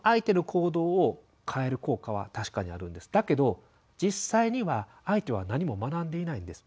だけど実際には相手は何も学んでいないんです。